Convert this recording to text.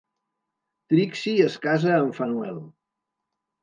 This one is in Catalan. Trixie es casa amb Fanuel.